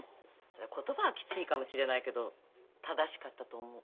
言葉はきついかもしれないけど正しかったと思う。